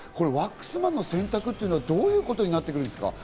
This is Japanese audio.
ワックスマンの選択というのはどういうことになるんですか？